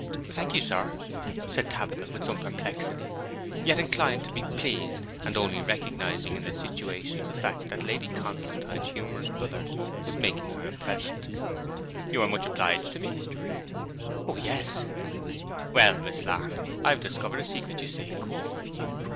'Thank you, sir,' said Tabitha, with some perplexity, yet inclined to be pleased, and only recognizing in the situation the fact that Lady Constantine's humorous brother was making her a present. 'You are much obliged to me?' 'O yes!' 'Well, Miss Lark, I've discovered a secret, you see.'